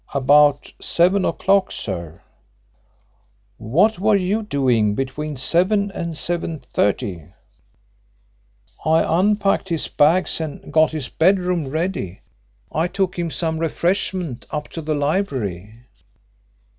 "About seven o'clock, sir." "What were you doing between seven and seven thirty?" "I unpacked his bags and got his bedroom ready. I took him some refreshment up to the library."